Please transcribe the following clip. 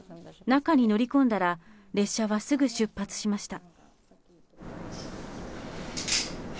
中に乗り込んだら、列車はすぐ出発しました。